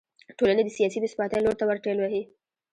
ټولنه د سیاسي بې ثباتۍ لور ته ور ټېل وهي.